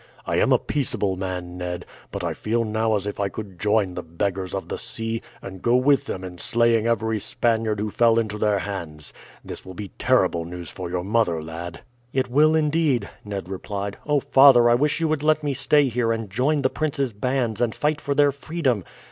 I am a peaceable man, Ned, but I feel now as if I could join the beggars of the sea, and go with them in slaying every Spaniard who fell into their hands. This will be terrible news for your mother, lad." "It will indeed," Ned replied. "Oh, father, I wish you would let me stay here and join the prince's bands and fight for their freedom.